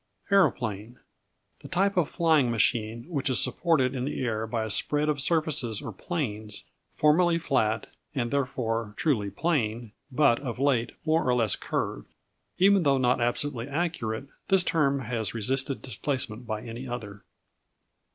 Aeroplane The type of flying machine which is supported in the air by a spread of surfaces or planes, formerly flat, and therefore truly "plane," but of late more or less curved. Even though not absolutely accurate, this term has resisted displacement by any other.